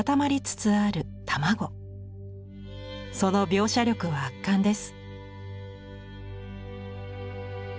その描写力は圧巻です。